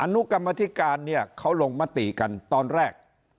อนุกรรมธิการเขาลงมติกันตอนแรก